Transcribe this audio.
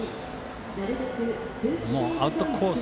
アウトコース